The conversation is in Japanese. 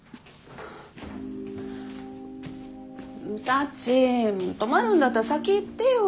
サチ泊まるんだったら先言ってよ。